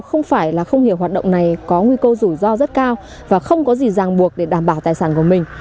không phải là không hiểu hoạt động này có nguy cơ rủi ro rất cao và không có gì ràng buộc để đảm bảo tài sản của mình